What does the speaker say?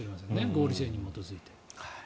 合理性に基づいて。